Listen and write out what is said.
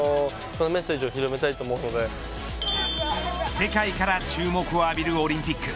世界から注目を浴びるオリンピック。